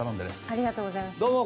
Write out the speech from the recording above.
ありがとうございます。